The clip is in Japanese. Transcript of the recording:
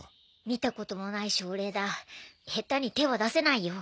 見たこともない症例だヘタに手は出せないよ